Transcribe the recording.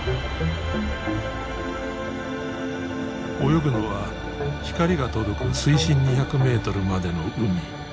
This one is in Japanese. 泳ぐのは光が届く水深２００メートルまでの海。